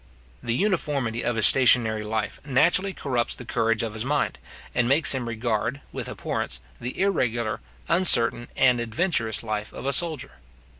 The uniformity of his stationary life naturally corrupts the courage of his mind, and makes him regard, with abhorrence, the irregular, uncertain, and adventurous life of a soldier.